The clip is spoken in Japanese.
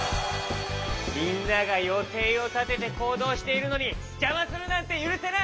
みんながよていをたててこうどうしているのにじゃまするなんてゆるせない！